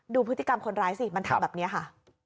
ดูพฤติกรรมคนร้ายสิมันทำแบบนี้ค่ะ